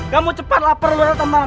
kamu cepat lapar luar tempat